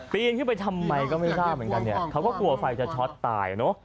ปีนขึ้นไปทำไมก็ไม่ทราบเหมือนกันเนี่ยเขาก็กลัวไฟจะช็อตตายเนอะ